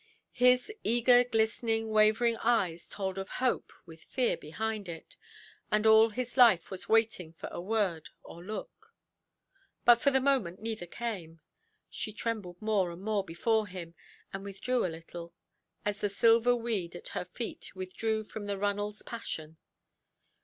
His eager, glistening, wavering eyes told of hope with fear behind it; and all his life was waiting for a word or look. But for the moment neither came. She trembled more and more before him, and withdrew a little, as the silver–weed at her feet withdrew from the runnelʼs passion.